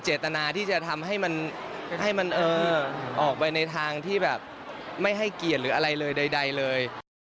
เจตนาที่จะทำให้มันออกไปในทางที่แบบไม่ให้เกียรติหรืออะไรเลยใดเลย